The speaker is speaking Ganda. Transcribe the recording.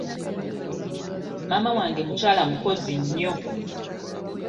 Maama wange mukyala mukozi nnyo.